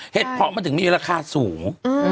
เห็ดเผามันถึงมีราคาสูง